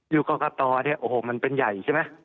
อยู่กรกตเนี่ยโอ้โหมันเป็นใหญ่ใช่ไหม